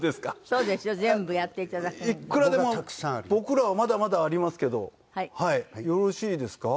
僕らはまだまだありますけどよろしいですか？